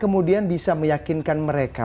kemudian bisa meyakinkan mereka